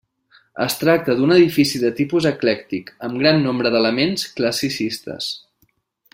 Es tracta d'un edifici de tipus eclèctic amb gran nombre d'elements classicistes.